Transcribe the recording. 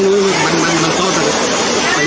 โต๊ะโอ้ยโต๊ะโอ้ย